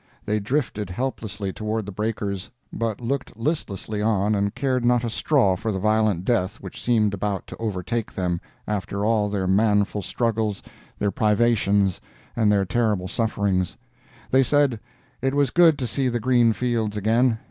They drifted helplessly toward the breakers, but looked listlessly on and cared not a straw for the violent death which seemed about to overtake them after all their manful struggles, their privations and their terrible sufferings. They said "it was good to see the green fields again."